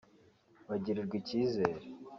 bagirirwa icyizere